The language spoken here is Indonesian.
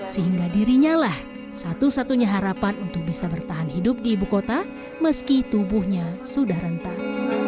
sehingga dirinya lah satu satunya harapan untuk bisa bertahan hidup di ibu kota meski tubuhnya sudah rentan